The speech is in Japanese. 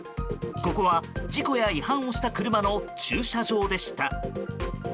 ここは、事故や違反をした車の駐車場でした。